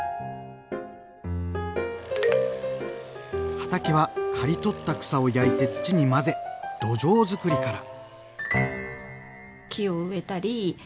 畑は刈り取った草を焼いて土に混ぜ土壌づくりから。